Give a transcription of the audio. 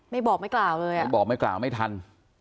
ไม่บอกไม่กล่าวเลยอ่ะไม่บอกไม่กล่าวไม่ทัน